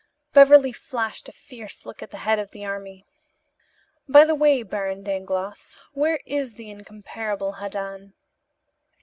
Beverly flashed a fierce look at the head of the army. "By the way, Baron Dangloss, where is the incomparable Haddan?"